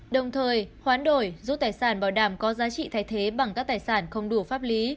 đồng thời hoán đổi giúp tài sản bảo đảm có giá trị thay thế bằng các tài sản không đủ pháp lý